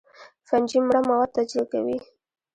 فنجي مړه مواد تجزیه کوي